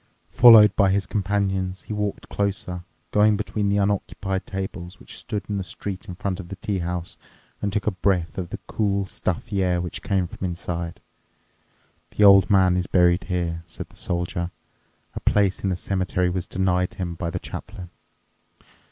Followed by his companions, he walked closer, going between the unoccupied tables, which stood in the street in front of the tea house, and took a breath of the cool, stuffy air which came from inside. "The old man is buried here," said the soldier; "a place in the cemetery was denied him by the chaplain.